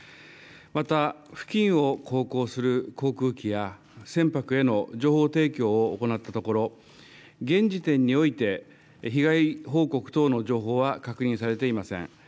また、付近を航行する航空機や、船舶への情報提供を行ったところ、現時点において被害報告等の情報は確認されていません。